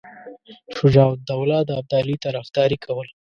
شجاع الدوله د ابدالي طرفداري کوله.